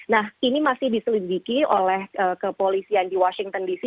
nah ini masih diselidiki oleh kepolisian di washington dc